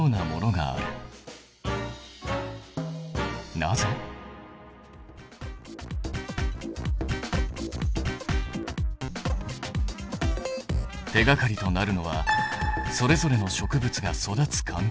手がかりとなるのはそれぞれの植物が育つ環境。